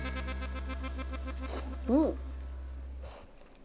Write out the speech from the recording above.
うん！